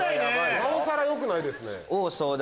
なおさらよくないですね。